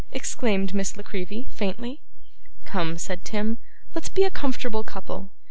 exclaimed Miss La Creevy, faintly. 'Come,' said Tim, 'let's be a comfortable couple.